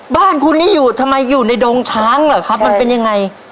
บ้านคุณนี่อยู่ทำไมอยู่ในดงช้างเหรอครับมันเป็นยังไง